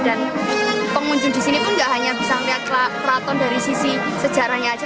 dan pengunjung di sini pun nggak hanya bisa melihat keraton dari sisi sejarahnya aja